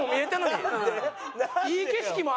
いい景色も。